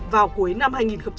vào cuối năm hai nghìn một mươi tám